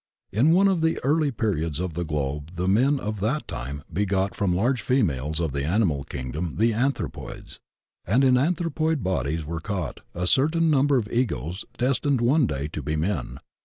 In one of the early periods of the globe the men of that time begot from large females of the animal kingdom the anthropoids, and in anthropoid bodies were caught a certain num ber of Egos destined one day to be men.